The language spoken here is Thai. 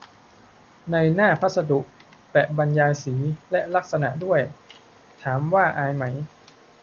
ในหน้าพัสดุแปะบรรยายสี และ ลักษณะด้วย ถามว่าอายไหม !